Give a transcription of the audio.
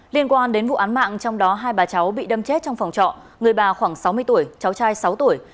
liên quan đến vụ án mạng trong đó hai bà cháu bị đâm chết trong phòng trọ người bà khoảng sáu mươi tuổi cháu trai sáu tuổi